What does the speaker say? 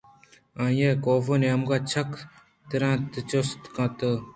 آئی ءَ کاف ءِ نیمگ ءَ چکّ ترّینت ءُجست کُت